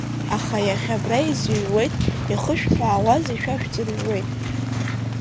Аха иахьа абра изыҩуеит, иахышәҳәаауазеи, шәа шәӡырыҩуеит?!